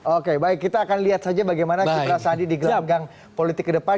oke baik kita akan lihat saja bagaimana kipas sandi di gelanggang politik ke depan